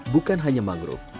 bukan hanya mangrove